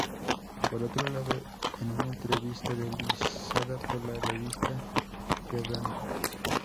Por otro lado, en una entrevista realizada por la revista "Kerrang!